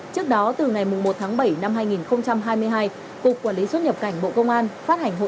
trước đó từ ngày một tháng bảy năm hai nghìn hai mươi hai cục quản lý xuất nhập cảnh bộ công an phát hành hồ